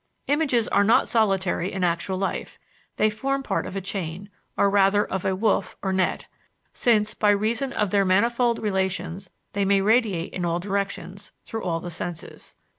Images are not solitary in actual life; they form part of a chain, or rather of a woof or net, since, by reason of their manifold relations they may radiate in all directions, through all the senses.